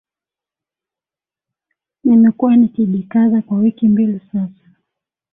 Nimekuwa nikijikaza kwa wiki mbili sasa